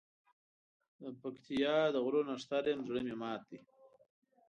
دپکتیا د غرو نښتر یم زړه مي مات دی